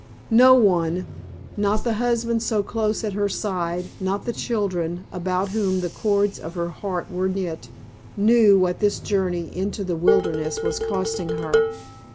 No one—not the husband so close at her side, not the children about whom the chords of her heart were knit—knew what this journey into the wilderness was costing her.